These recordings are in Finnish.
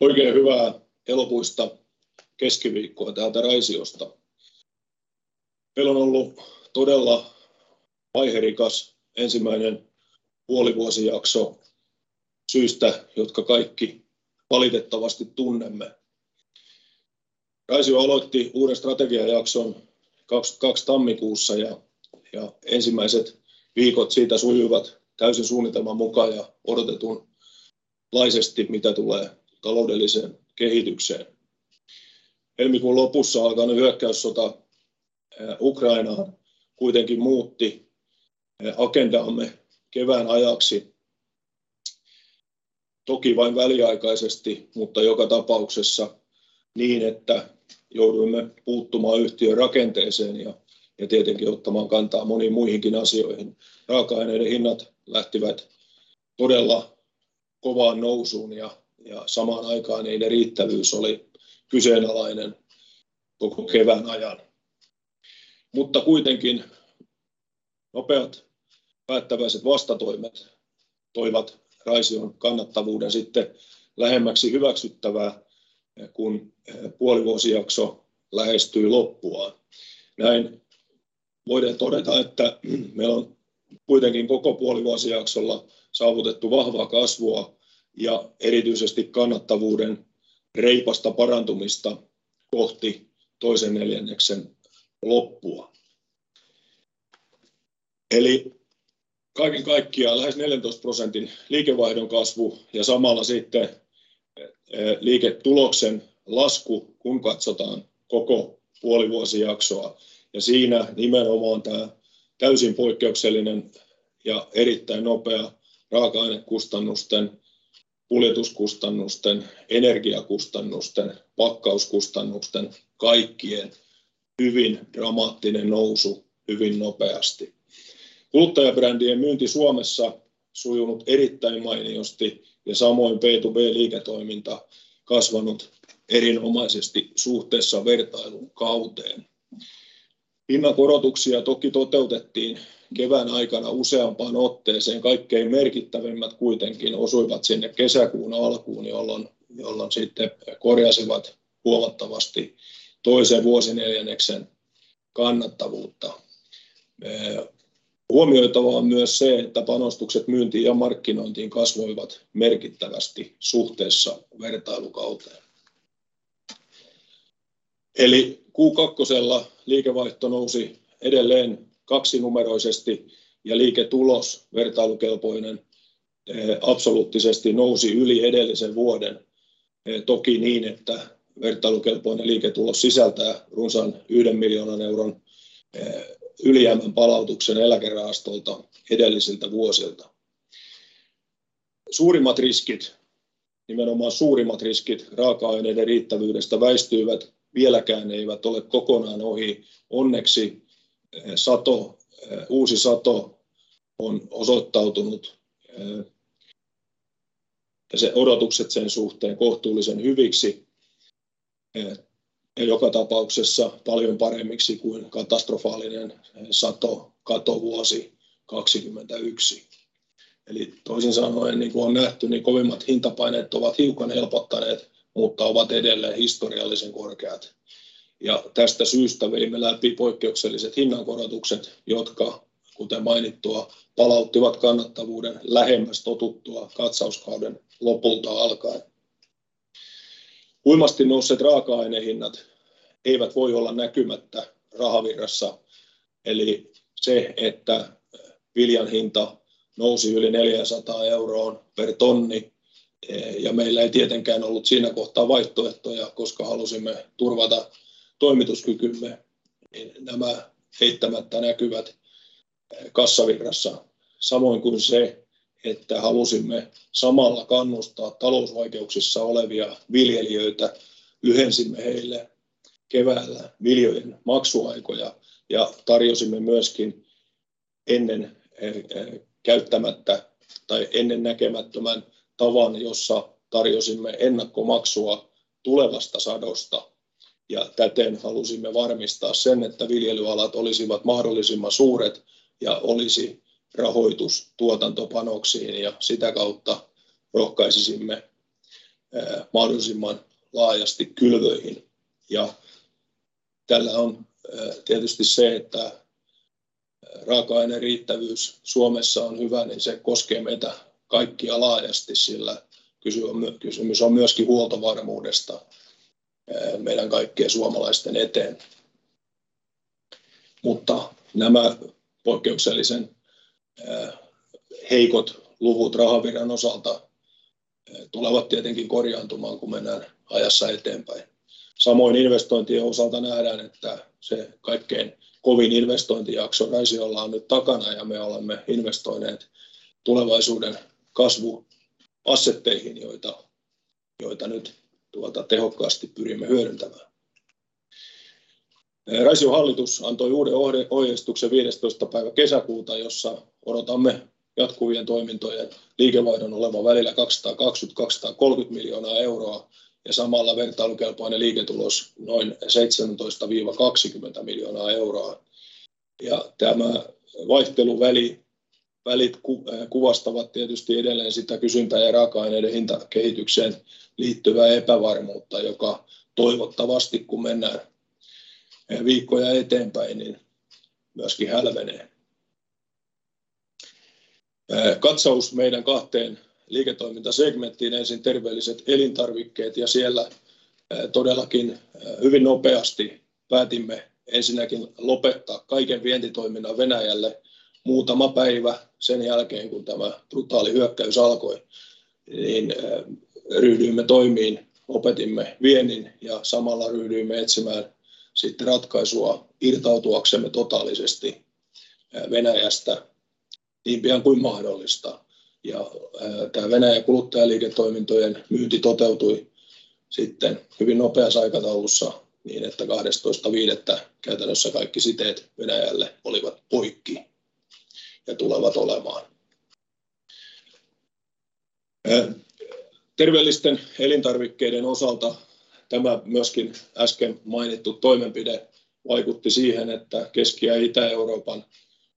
Oikein hyvää elokuista keskiviikkoa täältä Raisiosta. Meillä on ollut todella vaiherikas ensimmäinen puolivuosijakso syistä, jotka kaikki valitettavasti tunnemme. Raisio aloitti uuden strategiajakson 2022 tammikuussa ja ensimmäiset viikot siitä sujuivat täysin suunnitelman mukaan ja odotetulla lailla mitä tulee taloudelliseen kehitykseen. Helmikuun lopussa alkanut hyökkäyssota Ukrainaan kuitenkin muutti agendamme kevään ajaksi. Toki vain väliaikaisesti, mutta joka tapauksessa niin, että jouduimme puuttumaan yhtiön rakenteeseen ja tietenkin ottamaan kantaa moniin muihinkin asioihin. Raaka-aineiden hinnat lähtivät todella kovaan nousuun ja samaan aikaan niiden riittävyys oli kyseenalainen koko kevään ajan, mutta kuitenkin nopeat päättäväiset vastatoimet toivat Raision kannattavuuden sitten lähemmäksi hyväksyttävää, kun puolivuosijakso lähestyy loppuaan. Näin voidaan todeta, että meillä on kuitenkin koko puolivuosijaksolla saavutettu vahvaa kasvua ja erityisesti kannattavuuden reipasta parantumista kohti toisen neljänneksen loppua. Kaiken kaikkiaan lähes 14% liikevaihdon kasvu ja samalla sitten liiketuloksen lasku kun katsotaan koko puolivuosijaksoa, ja siinä nimenomaan tämä täysin poikkeuksellinen ja erittäin nopea raaka-ainekustannusten, kuljetuskustannusten, energiakustannusten, pakkauskustannusten, kaikkien hyvin dramaattinen nousu hyvin nopeasti. Kuluttajabrändien myynti Suomessa sujunut erittäin mainiosti ja samoin B2B-liiketoiminta kasvanut erinomaisesti suhteessa vertailukauteen. Hinnankorotuksia toki toteutettiin kevään aikana useampaan otteeseen. Kaikkein merkittävimmät kuitenkin osuivat sinne kesäkuun alkuun, jolloin sitten korjasivat huomattavasti toisen vuosineljänneksen kannattavuutta. Huomioitavaa on myös se, että panostukset myyntiin ja markkinointiin kasvoivat merkittävästi suhteessa vertailukauteen. Eli Q2:lla liikevaihto nousi edelleen kaksinumeroisesti ja liiketulos vertailukelpoinen absoluuttisesti nousi yli edellisen vuoden. Toki niin, että vertailukelpoinen liiketulos sisältää runsaan EUR 1 million ylijäämän palautuksen eläkerahastoilta edellisiltä vuosilta. Suurimmat riskit nimenomaan raaka-aineiden riittävyydestä väistyivät. Vieläkään ne eivät ole kokonaan ohi. Onneksi sato, uusi sato on osoittautunut ja odotukset sen suhteen kohtuullisen hyviksi ja joka tapauksessa paljon paremmiksi kuin katastrofaalinen sato, katovuosi 2021. Toisin sanoen niin kuin on nähty, niin kovimmat hintapaineet ovat hiukan helpottaneet, mutta ovat edelleen historiallisen korkeat ja tästä syystä vedimme läpi poikkeukselliset hinnankorotukset, jotka kuten mainittua, palauttivat kannattavuuden lähemmäs totuttua katsauskauden lopulta alkaen. Huimasti nousseet raaka-ainehinnat eivät voi olla näkymättä rahavirrassa. Se, että viljan hinta nousi yli EUR 400 per tonni. Meillä ei tietenkään ollut siinä kohtaa vaihtoehtoja, koska halusimme turvata toimituskykymme, niin nämä eittämättä näkyvät kassavirrassa, samoin kuin se, että halusimme samalla kannustaa talousvaikeuksissa olevia viljelijöitä. Lyhensimme heille keväällä viljojen maksuaikoja ja tarjosimme myöskin ennen käyttämättä tai ennennäkemättömän tavan, jossa tarjosimme ennakkomaksua tulevasta sadosta ja täten halusimme varmistaa sen, että viljelyalat olisivat mahdollisimman suuret ja olisi rahoitus tuotantopanoksiin ja sitä kautta rohkaisisimme mahdollisimman laajasti kylvöihin. Tällä on tietysti se, että raaka-aineiden riittävyys Suomessa on hyvä, niin se koskee meitä kaikkia laajasti, sillä kysymys on myöskin huoltovarmuudesta meidän kaikkien suomalaisten eteen. Nämä poikkeuksellisen heikot luvut rahavirran osalta tulevat tietenkin korjaantumaan, kun mennään ajassa eteenpäin. Samoin investointien osalta nähdään, että se kaikkein kovin investointijakso Raisiolla on nyt takana ja me olemme investoineet tulevaisuuden kasvun assetteihin, joita nyt tehokkaasti pyrimme hyödyntämään. Raision hallitus antoi uuden ohjeistuksen viidestoista päivä kesäkuuta, jossa odotamme jatkuvien toimintojen liikevaihdon olevan välillä EUR 220-EUR 230 miljoonaa. Samalla vertailukelpoinen liiketulos noin EUR 17-20 miljoonaa euroa. Tämä vaihteluväli kuvastavat tietysti edelleen sitä kysyntään ja raaka-aineiden hintakehitykseen liittyvää epävarmuutta, joka toivottavasti kun mennään viikkoja eteenpäin, niin myöskin hälvenee. Katsaus meidän kahteen liiketoimintasegmenttiin. Ensin terveelliset elintarvikkeet ja siellä todellakin hyvin nopeasti päätimme ensinnäkin lopettaa kaiken vientitoiminnan Venäjälle. Muutama päivä sen jälkeen, kun tämä brutaali hyökkäys alkoi, niin ryhdyimme toimiin. Lopetimme viennin ja samalla ryhdyimme etsimään sitten ratkaisua irtautuaksemme totaalisesti Venäjästä niin pian kuin mahdollista. Tämä Venäjän kuluttajaliiketoimintojen myynti toteutui sitten hyvin nopeassa aikataulussa niin, että 12.5. käytännössä kaikki siteet Venäjälle olivat poikki ja tulevat olemaan. Terveellisten elintarvikkeiden osalta tämä myöskin äsken mainittu toimenpide vaikutti siihen, että Keski- ja Itä-Euroopan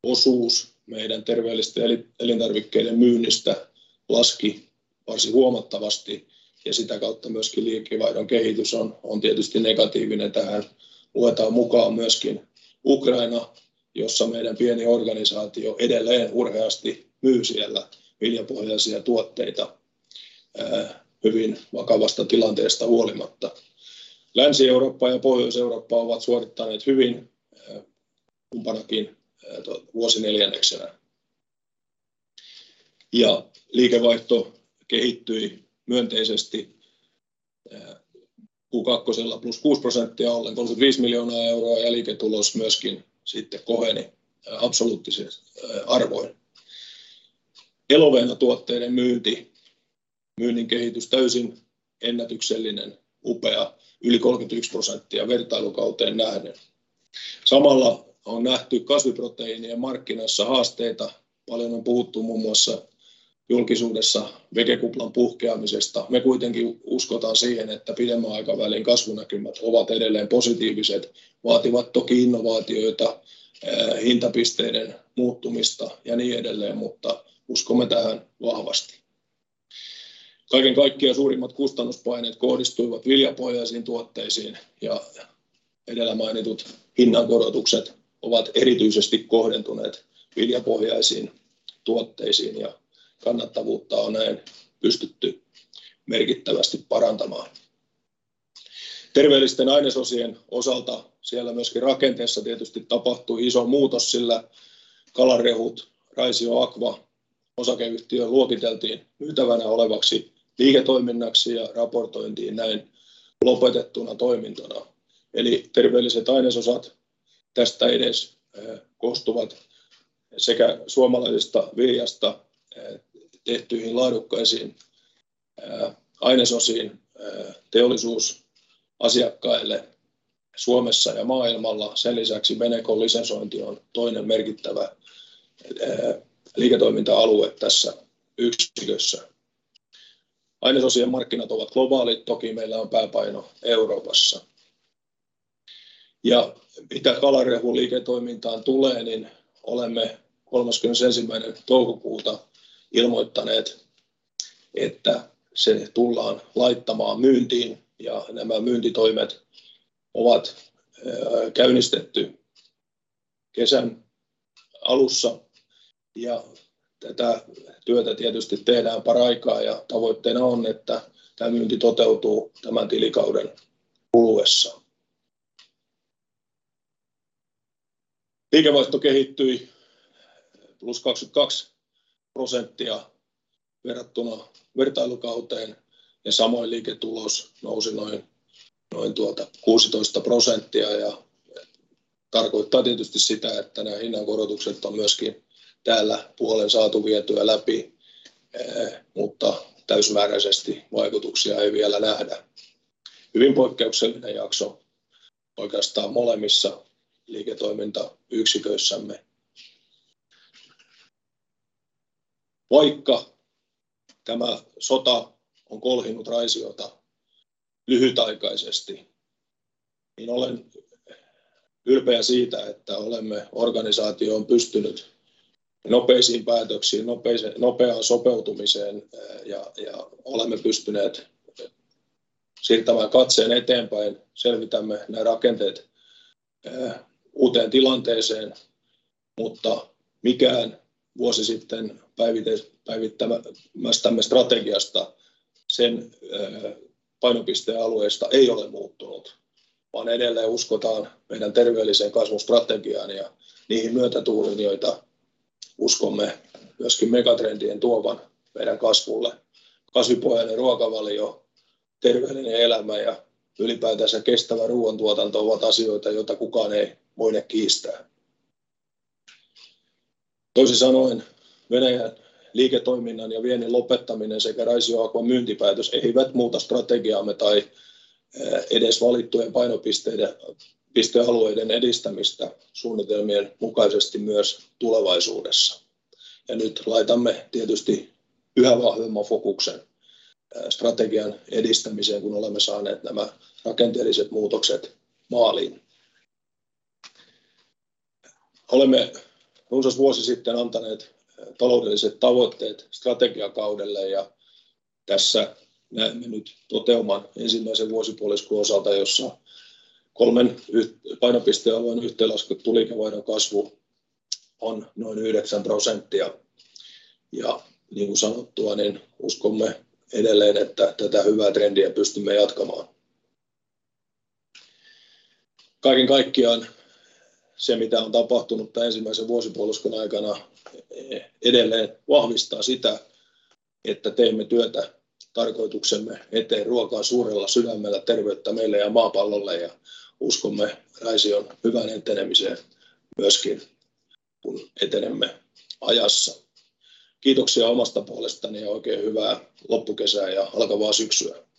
osuus meidän terveellisten elintarvikkeiden myynnistä laski varsin huomattavasti ja sitä kautta myöskin liikevaihdon kehitys on tietysti negatiivinen. Tähän luetaan mukaan myöskin Ukraina, jossa meidän pieni organisaatio edelleen urheasti myy siellä viljapohjaisia tuotteita hyvin vakavasta tilanteesta huolimatta. Länsi-Eurooppa ja Pohjois-Eurooppa ovat suorittaneet hyvin kumpanakin vuosineljänneksenä. Liikevaihto kehittyi myönteisesti. Q2:lla +6% ollen EUR 35 million ja liiketulos myöskin sitten koheni absoluuttisin arvoin. Elovena-tuotteiden myynnin kehitys täysin ennätyksellinen. Upea yli 31% vertailukauteen nähden. Samalla on nähty kasviproteiinien markkinassa haasteita. Paljon on puhuttu muun muassa julkisuudessa vegekuplan puhkeamisesta. Me kuitenkin uskotaan siihen, että pidemmän aikavälin kasvunäkymät ovat edelleen positiiviset. Vaativat toki innovaatioita, hintapisteiden muuttumista ja niin edelleen, mutta uskomme tähän vahvasti. Kaiken kaikkiaan suurimmat kustannuspaineet kohdistuivat viljapohjaisiin tuotteisiin ja edellä mainitut hinnankorotukset ovat erityisesti kohdentuneet viljapohjaisiin tuotteisiin ja kannattavuutta on näin pystytty merkittävästi parantamaan. Terveellisten ainesosien osalta siellä myöskin rakenteessa tietysti tapahtui iso muutos, sillä kalanrehut Raisioaqua osakeyhtiö luokiteltiin myytävänä olevaksi liiketoiminnaksi ja raportointiin näin lopetettuna toimintona. Eli terveelliset ainesosat tästä edes koostuvat sekä suomalaisesta viljasta tehtyihin laadukkaisiin ainesosiin teollisuusasiakkaille Suomessa ja maailmalla. Sen lisäksi Benecol-lisensointi on toinen merkittävä liiketoiminta-alue tässä yksikössä. Ainesosien markkinat ovat globaalit. Toki meillä on pääpaino Euroopassa. Mitä kalanrehuliiketoimintaan tulee, niin olemme 31. toukokuuta ilmoittaneet, että se tullaan laittamaan myyntiin ja nämä myyntitoimet ovat käynnistetty kesän alussa ja tätä työtä tietysti tehdään paraikaa ja tavoitteena on, että tää myynti toteutuu tämän tilikauden kuluessa. Liikevaihto kehittyi +22% verrattuna vertailukauteen ja samoin liiketulos nousi noin 16%. Tarkoittaa tietysti sitä, että nää hinnankorotukset on myöskin täällä puolen saatu vietyä läpi, mutta täysimääräisesti vaikutuksia ei vielä nähdä. Hyvin poikkeuksellinen jakso oikeastaan molemmissa liiketoimintayksiköissämme. Vaikka tämä sota on kolhinut Raisiota lyhytaikaisesti, niin olen ylpeä siitä, että olemme organisaationa pystyneet nopeisiin päätöksiin, nopeaan sopeutumiseen ja olemme pystyneet siirtämään katseen eteenpäin. Selvitämme nää rakenteet uuteen tilanteeseen. Mikään vuosi sitten päivittämästämme strategiasta, sen painopistealueista ei ole muuttunut, vaan edelleen uskotaan meidän terveelliseen kasvustrategiaan ja niihin myötätuuliin, joita uskomme myöskin megatrendien tuovan meidän kasvulle. Kasvipohjainen ruokavalio, terveellinen elämä ja ylipäätänsä kestävä ruoantuotanto ovat asioita, joita kukaan ei voi kiistää. Toisin sanoen Venäjän liiketoiminnan ja viennin lopettaminen sekä Raisioaquan myyntipäätös eivät muuta strategiaamme tai edes valittujen painopistealueiden edistämistä suunnitelmien mukaisesti myös tulevaisuudessa. Nyt laitamme tietysti yhä vahvemman fokuksen strategian edistämiseen, kun olemme saaneet nämä rakenteelliset muutokset maaliin. Olemme runsas vuosi sitten antaneet taloudelliset tavoitteet strategiakaudelle ja tässä näemme nyt toteuman ensimmäisen vuosipuoliskon osalta, jossa kolmen painopistealueen yhteenlaskettu liikevaihdon kasvu on noin 9%. Niin kuin sanottua, uskomme edelleen, että tätä hyvää trendiä pystymme jatkamaan. Kaiken kaikkiaan se, mitä on tapahtunut tämän ensimmäisen vuosipuoliskon aikana, edelleen vahvistaa sitä, että teemme työtä tarkoituksemme eteen ruokaa suurella sydämellä, terveyttä meille ja maapallolle. Uskomme Raision hyvään etenemiseen myöskin, kun etenemme ajassa. Kiitoksia omasta puolestani ja oikein hyvää loppukesää ja alkavaa syksyä.